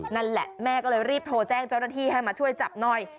นั่นแหละแม่ก็เลยรีบโทรแจ้งเจ้าหน้าที่ให้มาช่วยจับหน่อย